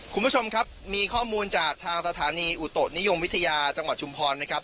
คุณผู้ชมครับมีข้อมูลจากทางสถานีอุตุนิยมวิทยาจังหวัดชุมพรนะครับ